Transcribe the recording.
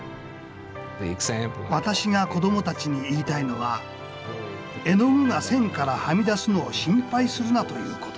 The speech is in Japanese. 私が子どもたちに言いたいのは絵の具が線からはみ出すのを心配するなということです。